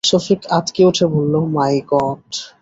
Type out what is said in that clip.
সফিক আঁৎকে উঠে বলল, মাই গড়!